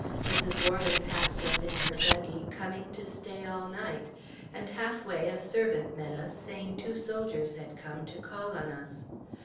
Mrs. Worley passed us in her buggy, coming to stay all night; and halfway a servant met us, saying two soldiers had come to call on us.